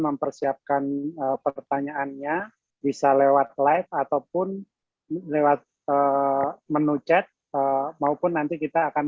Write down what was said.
mempersiapkan pertanyaannya bisa lewat live ataupun lewat menu chat maupun nanti kita akan